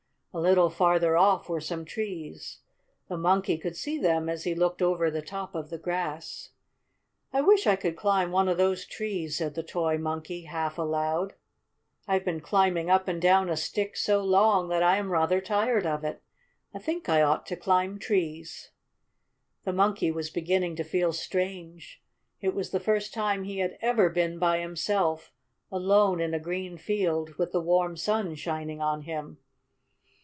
A little farther off were some trees. The Monkey could see them as he looked over the top of the grass. "I wish I could climb one of those trees," said the toy Monkey half aloud. "I've been climbing up and down a stick so long that I am rather tired of it. I think I ought to climb trees." The Monkey was beginning to feel strange. It was the first time he had ever been by himself, alone in a green field, with the warm sun shining on him.